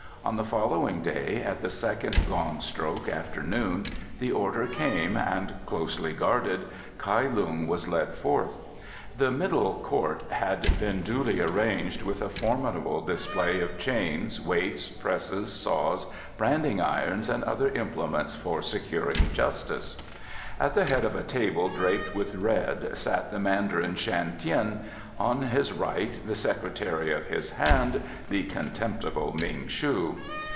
On the following day, at the second gong stroke after noon, the order came and, closely guarded, Kai Lung was led forth. The middle court had been duly arranged, with a formidable display of chains, weights, presses, saws, branding irons and other implements for securing justice. At the head of a table draped with red sat the Mandarin Shan Tien, on his right the secretary of his hand, the contemptible Ming shu.